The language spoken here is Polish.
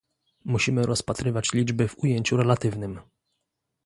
musimy rozpatrywać liczby w ujęciu relatywnym